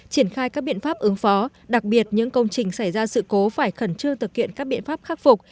triển khai các biện pháp ứng phó đặc biệt những công trình xảy ra sự cố phải khẩn trương thực hiện các biện pháp khắc phục